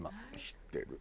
知ってる。